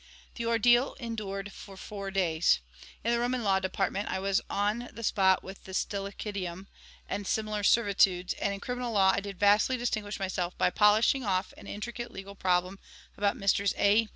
The ordeal endured for four days. In the Roman Law department, I was on the spot with Stillicidium and similar servitudes, and in Criminal Law I did vastly distinguish myself by polishing off an intricate legal problem about Misters A.